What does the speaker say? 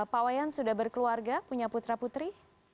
pak wayan sudah berkeluarga punya putra putri